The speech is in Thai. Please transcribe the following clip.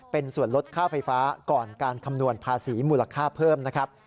เป็นส่วนลดค่าไฟฟ้าก่อนการคำนวณภาษีมูลค่าเพิ่มนะครับ